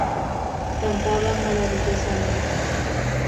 Cantaban maravillosamente.